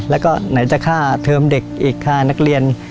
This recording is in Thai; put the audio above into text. แล้วก็ไหนจะค่าเทอมเด็กอีกค่านักเรียน